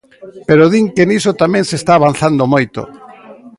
Pero din que niso tamén se está avanzando moito.